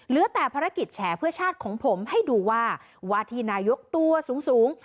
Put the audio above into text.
เหลือแต่ภารกิจแฉเพื่อชาติของผมให้ดูว่าวาธินายกตัวสูง